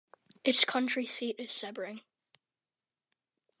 Its county seat is Sebring.